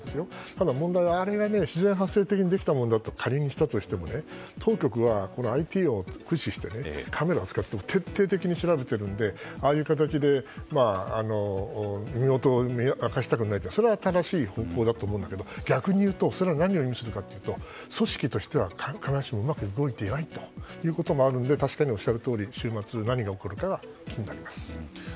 ただ、問題はあれが自然発生にできたものだと仮にしたとしても当局はＩＴを駆使してカメラをつけて徹底的に調べてるのでああいう形で身元を明かしたくないってそれは正しい方向だと思うんだけど逆に言うとそれは何を意味するかというと組織としては必ずしもうまく動いていないということもあるので確かにおっしゃるとおり、週末何が起こるか気になります。